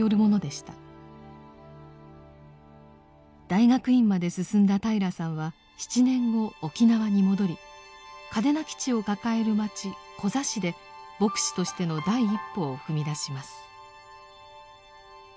大学院まで進んだ平良さんは７年後沖縄に戻り嘉手納基地を抱える街コザ市で牧師としての第一歩を踏み出します。